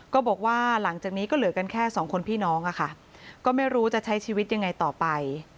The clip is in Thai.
ก็บอกว่าหลังจากนี้ก็เหลือกันแค่สองคนพี่น้องอะค่ะก็ไม่รู้จะใช้ชีวิตยังไงต่อไป